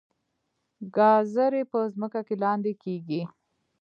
ګازرې په ځمکه کې لاندې کیږي